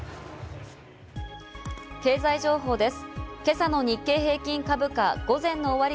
経済情報です。